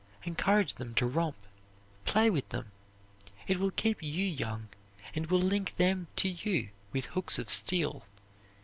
Encourage them to romp. Play with them. It will keep you young, and will link them to you with hooks of steel.